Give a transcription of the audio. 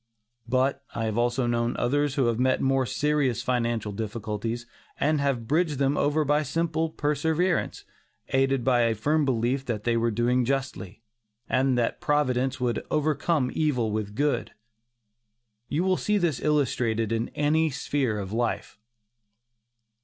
But I have known others who have met more serious financial difficulties, and have bridged them over by simple perseverance, aided by a firm belief that they were doing justly, and that Providence would "overcome evil with good." You will see this illustrated in any sphere of life.